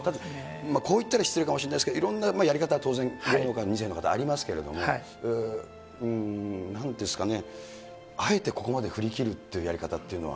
こう言ったら失礼かもしれませんが、いろんなやり方は当然、芸能界２世の方ありますけれども、なんていうんですかね、あえてここまで振り切るっていうやり方というのは。